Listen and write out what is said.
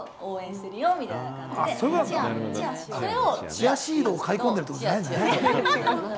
チアシードを買い込んでるってことじゃないのね。